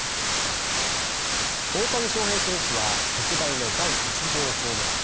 大谷翔平選手は特大の第１号ホームラン。